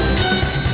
lo sudah bisa berhenti